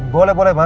boleh boleh mak